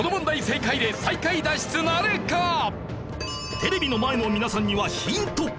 テレビの前の皆さんにはヒント